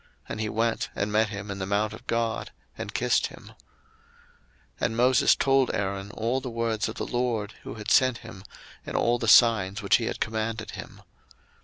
And he went, and met him in the mount of God, and kissed him. 02:004:028 And Moses told Aaron all the words of the LORD who had sent him, and all the signs which he had commanded him.